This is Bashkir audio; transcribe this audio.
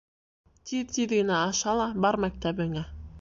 Тиҙ-тиҙ генә аша ла, бар мәктәбеңә.